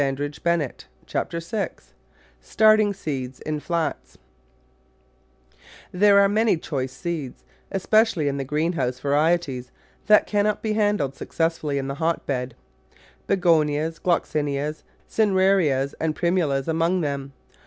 Digitized by Google Chapter SIX Starting feeete in ;flats THERE are many choice seeds, especially in the greenhouse varieties, that can not be handled successfully in the hot bed — Begonias, Gloxinias, Cinerarias, and Primulas among them.